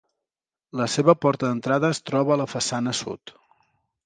La seva porta d'entrada es troba a la façana sud.